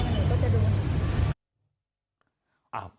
หนูก็จะดู